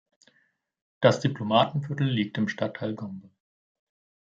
Das Diplomatenviertel liegt im Stadtteil Gombe.